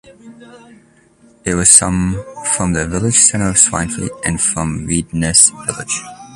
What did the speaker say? It was some from the village centre of Swinefleet, and from Reedness village.